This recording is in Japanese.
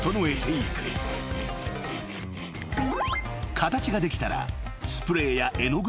［形ができたら］